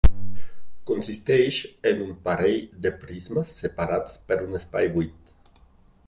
Consisteix en un parell de prismes separats per un espai buit.